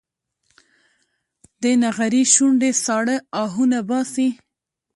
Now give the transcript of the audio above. د نغري شوندې ساړه اهونه باسي